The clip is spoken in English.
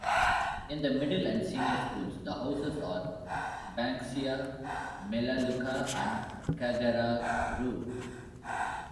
In the Middle and Senior schools, the houses are Banksia, Melaleuca and Karragaroo.